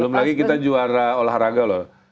belum lagi kita juara olahraga loh